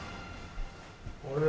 ・あれ？